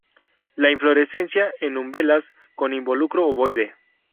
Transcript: La inflorescencia en umbelas con involucro ovoide.